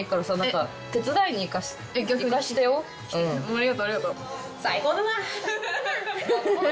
ありがとうありがとう。